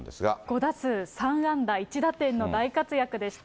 ５打数３安打１打点の大活躍でした。